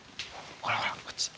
ほらほらこっち。